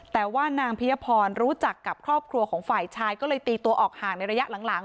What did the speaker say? แต่ว่านางพิยพรรู้จักกับครอบครัวของฝ่ายชายก็เลยตีตัวออกห่างในระยะหลัง